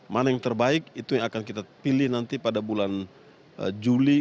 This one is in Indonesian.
mana yang terbaik itu yang akan kita pilih nanti pada bulan juli